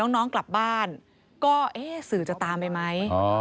น้องกลับบ้านก็เอ๊ะสื่อจะตามไปไหม